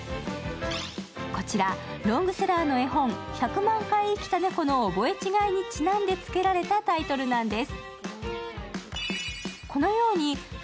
こちら、ロングセラーの絵本「１００万回死んだねこ」の覚え違いにちなんでつけられたタイトルなんです。